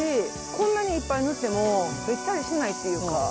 こんなにいっぱい塗ってもベッタリしないっていうか。